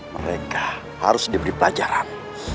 mereka harus diberi pelajaran